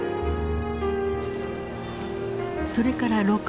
それから６年後。